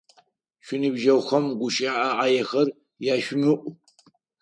Шъуиныбджэгъухэм гущыӏэ ӏаехэр яшъумыӏу!